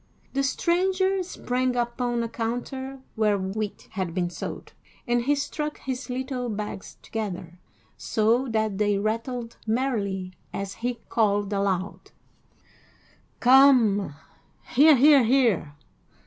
The stranger sprang upon a counter where wheat had been sold, and he struck his little bags together, so that they rattled merrily as he called aloud: "Come, hear, hear, hear!